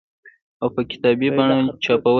او په کتابي بڼه چاپول دي